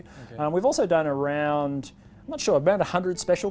kami juga telah menemukan sekitar seratus koleksi spesial